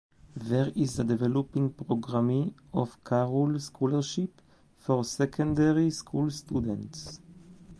There is a developing programme of Choral Scholarships for secondary school students.